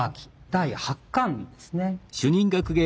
第８巻ですね。